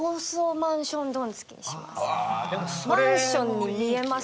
「えーっ」「マンションに見えます」